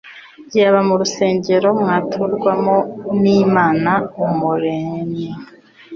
byaba urusengero mvaturwamo n'Imana Umuremyi.